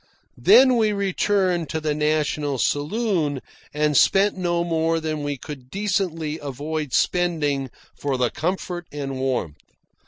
Then we returned to the National Saloon and spent no more than we could decently avoid spending for the comfort and warmth.